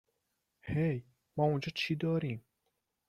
هی ما اونجا چی داریم ؟